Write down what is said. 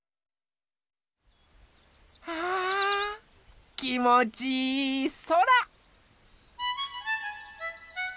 あきもちいいそら！